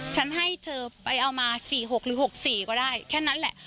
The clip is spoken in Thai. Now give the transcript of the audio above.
ฉันให้เธอไปเอามา๔๖หรือ๖๔ก็ได้แค่นั้นแหละ